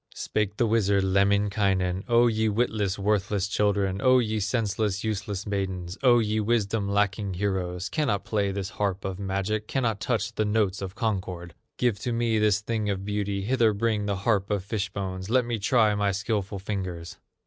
Spake the wizard, Lemminkainen: "O ye witless, worthless children, O ye senseless, useless maidens, O ye wisdom lacking heroes, Cannot play this harp of magic, Cannot touch the notes of concord! Give to me this thing of beauty, Hither bring the harp of fish bones, Let me try my skillful fingers."